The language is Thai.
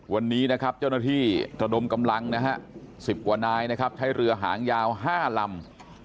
วันนี้นะครับเจ้าหน้าที่ระดมกำลังนะฮะ๑๐กว่านายนะครับใช้เรือหางยาว๕ลำ